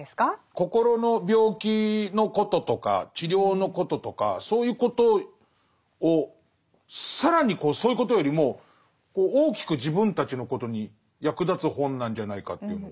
心の病気のこととか治療のこととかそういうことを更にそういうことよりも大きく自分たちのことに役立つ本なんじゃないかというのを。